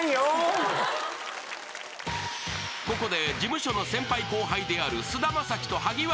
［ここで］